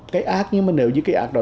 cái ác nhưng mà nếu như cái ác đó